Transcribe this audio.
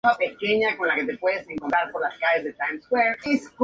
No se veía como la mayoría de las otras computadoras.